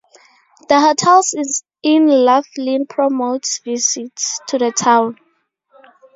The hotels in Laughlin promotes visits to the town.